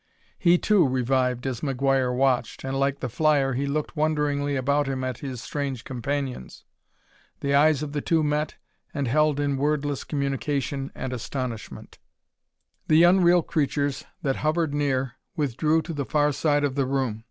He, too, revived as McGuire watched, and, like the flyer, he looked wonderingly about him at his strange companions. The eyes of the two met and held in wordless communication and astonishment. The unreal creatures that hovered near withdrew to the far side of the room.